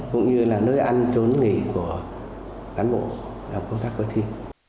cũng như là nơi ăn trốn nghỉ của cán bộ làm công tác coi thi